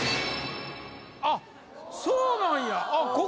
あっそうなんやあっ